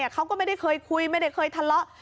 เขาก็ไม่ได้เคยคุยไม่ได้เคยทะเลาะ